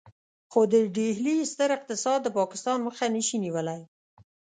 خو د ډهلي ستر اقتصاد د پاکستان مخه نشي نيولای.